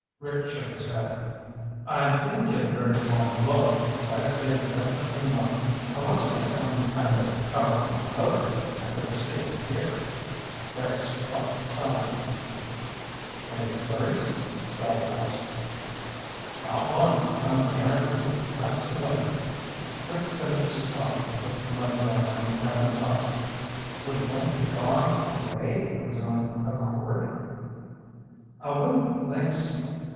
Rick shook his head. "I didn't get a very long look, but I'd say definitely not. Unless it had some kind of powerful motor I couldn't see or hear." Harris puffed silently. "Any theories?" Scotty asked. "Not one. I'm barren as the flats in winter." Rick finished his coffee and put the mug down on the cabin top. "Would Link have gone away of his own accord?" "I wouldn't think so."